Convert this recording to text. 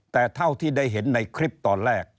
แต่เท่าที่ได้เห็นในคลิปตอนแรก